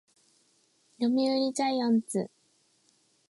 読売ジャイアンツ